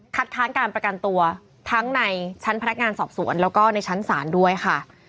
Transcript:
ค้านการประกันตัวทั้งในชั้นพนักงานสอบสวนแล้วก็ในชั้นศาลด้วยค่ะ